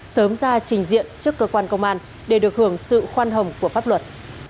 phạm hùng cường sớm ra trình diện trước cơ quan công an để được hưởng sự khoan hồng của pháp luật